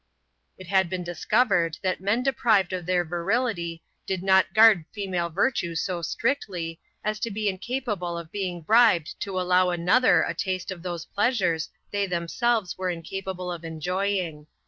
It had been discovered, that men deprived of their virility, did not guard female virtue so strictly, as to be incapable of being bribed to allow another a taste of those pleasures they themselves were incapable of enjoying.